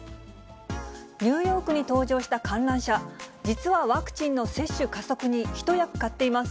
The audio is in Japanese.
ニューヨークに登場した観覧車、実はワクチンの接種加速に一役買っています。